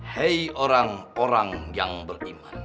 hei orang orang yang beriman